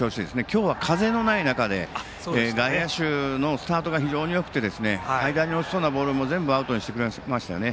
今日は風のない中で外野手のスタートが非常によくて落ちそうなボールも全部アウトにしてくれましたね。